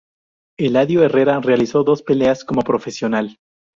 Eladio Herrera realizó sólo dos peleas como profesional.